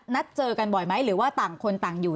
นัดเจอกันบ่อยไหมหรือว่าต่างคนต่างอยู่